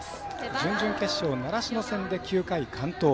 準々決勝、習志野戦で完投。